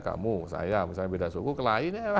kamu saya misalnya beda suku kelainnya